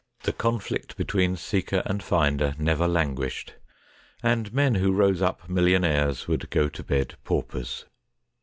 The conflict between seeker and finder never languished, and men who rose up millionaires would go to bed paupers.